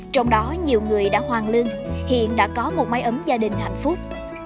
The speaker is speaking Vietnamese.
trong đó nhiều người đã hoàng lưng hiện đã có một máy ấm gia đình hạnh phúc